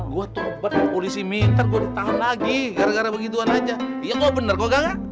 gue tuh bener polisi minta gue ditahan lagi gara gara begituan aja iya kok bener gue gak